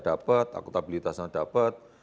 dapat akutabilitasnya dapat